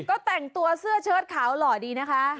ก็แต่งตัวเสื้อเชิดขาวหล่อดีนะคะ